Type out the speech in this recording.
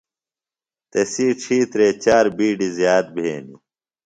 تسی ڇِھیترے چار بِیڈیۡ زِیات بھینیۡ۔